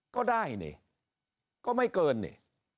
ก็ได้นี่ก็ไม่เกินนี่